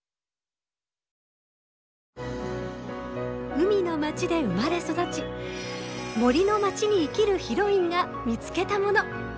海の町で生まれ育ち森の町に生きるヒロインが見つけたもの。